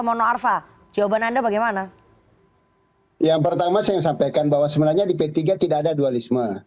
mono arfa jawaban anda bagaimana yang pertama saya sampaikan bahwa sebenarnya di p tiga tidak ada dualisme